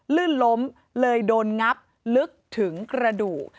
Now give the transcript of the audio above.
ลื่นล้มเลยโดนงับลึกถึงกระดูก